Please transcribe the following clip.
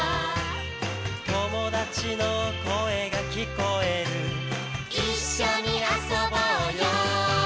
「友達の声が聞こえる」「一緒に遊ぼうよ」